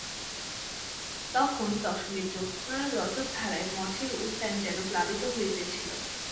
তখন দশমীর জ্যোৎস্নার রজতধারায় মঠের উদ্যান যেন প্লাবিত হইতেছিল।